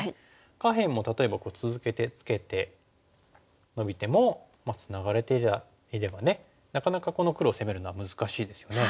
下辺も例えば続けてツケてノビてもツナがれていればなかなかこの黒を攻めるのは難しいですよね。